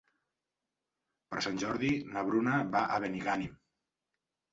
Per Sant Jordi na Bruna va a Benigànim.